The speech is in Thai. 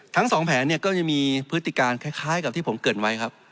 ทั้ง๒แผนก็จะมีพฤติการคล้ายกับที่ผมเกิดไว้